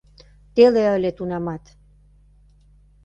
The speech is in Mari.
Теле ыле тунамат.